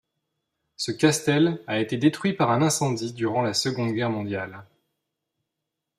Ce castel a été détruit par un incendie durant la Seconde Guerre mondiale.